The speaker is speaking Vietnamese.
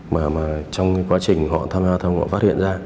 mà trong cái quá trình họ tham gia giao thông họ phát hiện ra